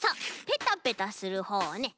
ペタペタするほうをね